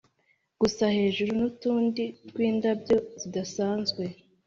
gusa hejuru nuduti twindabyo zidasanzwe